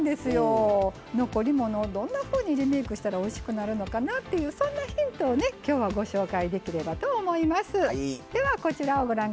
残り物をどんなふうにリメイクしたらおいしくなるのかなというそんなヒントをきょうはご紹介できればと思います。